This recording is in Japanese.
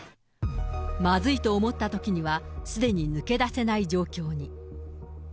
まずいと思ったときにはすでに抜け出せない状況に。